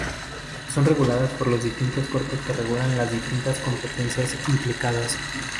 Son reguladas por los distintos cuerpos que regulan las distintas competencias implicadas.